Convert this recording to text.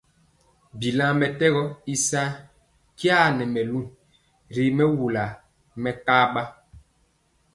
Bilaŋ mɛtɛgɔ i saa ja nɛ mɛlu ri mɛwul mɛkaɓa.